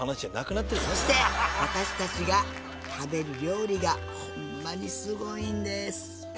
そして私たちが食べる料理がほんまにすごいんです。